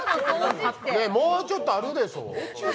もうちょっとあるでしょ？